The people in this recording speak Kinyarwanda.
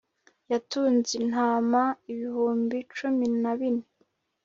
yatunze intama ibihumbi cumi na bine